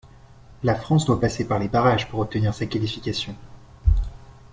La France doit passer par les barrages pour obtenir sa qualification.